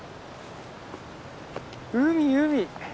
海海。